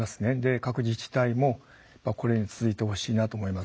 各自治体もこれに続いてほしいなと思います。